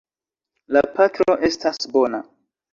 La patro estas bona.